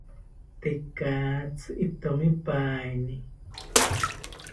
Tekatzi itomipaeni